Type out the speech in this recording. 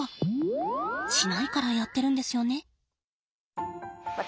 しないからやってるんですよね。